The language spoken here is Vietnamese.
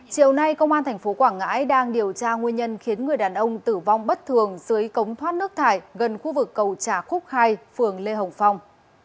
chiều nay công an tp quảng ngãi đang điều tra nguyên nhân khiến người đàn ông tử vong bất thường dưới cống thoát nước thải gần khu vực cầu trà khúc hai phường lê hồng phong